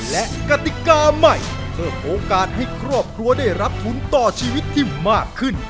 และกติกาใหม่เพิ่มโอกาสให้ครอบครัวได้รับทุนต่อชีวิตที่มากขึ้น